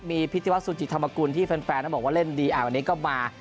มีพิธิวัสสุจิธรรมกุลที่แฟนบอกว่าเล่นดีอ่ะวันนี้ก็มา